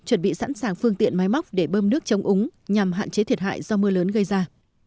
chuẩn bị sẵn sàng phương tiện máy móc để bơm nước chống úng nhằm hạn chế thiệt hại do mưa lớn gây ra